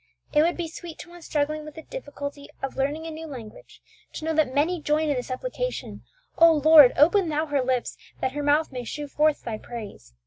It would be sweet to one struggling with the difficulty of learning a new language to know that many joined in the supplication, "O Lord! open Thou her lips, that her mouth may shew forth Thy praise!"